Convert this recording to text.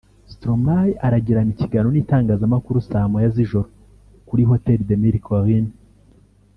Stromae aragirana ikiganiro n’itangazamakuru saa moya z’ijoro kuri Hôtel des Mille Collines